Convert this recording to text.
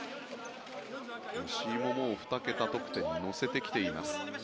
吉井も、もう２桁得点に乗せてきています。